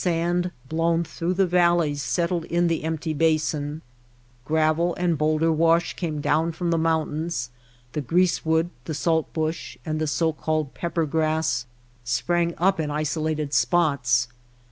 sand blown through the valleys settled in the empty basin; gravel and bowlder wash came down from the mountains ; the grease wood, the salt bush, and the so called pepper grass sprang up in isolated spots.